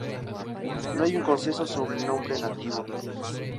No hay un consenso sobre el nombre nativo.